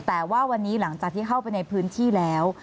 แต่ว่าวันนี้หลังจากที่เข้าไปในพื้นที่แล้ว